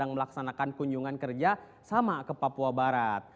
yang melaksanakan kunjungan kerja sama ke papua barat